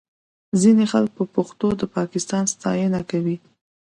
ځینې خلک په پښتو د پاکستان ستاینه کوي